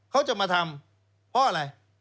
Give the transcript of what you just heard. เขาจะมาทำเพราะอะไร